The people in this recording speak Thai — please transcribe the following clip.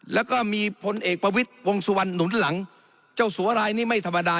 แล้วก็มีพลเอกประวิทย์วงสุวรรณหนุนหลังเจ้าสัวรายนี้ไม่ธรรมดา